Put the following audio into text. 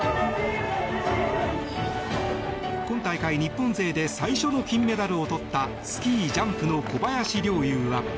今大会、日本勢で最初の金メダルをとったスキージャンプの小林陵侑は。